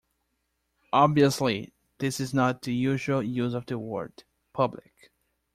Obviously, this is not the usual use of the word, public.